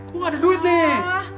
kok gak ada duit nih